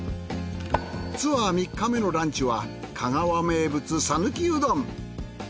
ツアー３日目のランチは香川名物讃岐うどん。